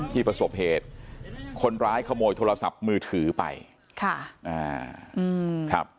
ประสบเหตุคนร้ายขโมยโทรศัพท์มือถือไปค่ะอ่าครับ